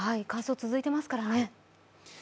乾燥、続いていますからね。